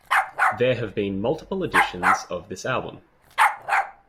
There have been multiple editions of this album.